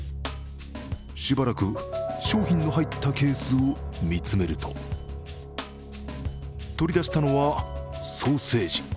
しばらく商品の入ったケースを見つめると取り出したのはソーセージ。